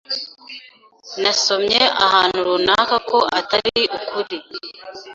Nasomye ahantu runaka ko atari ukuri.